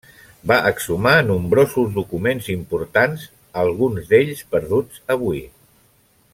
Va exhumar nombrosos documents importants, alguns d'ells perduts avui.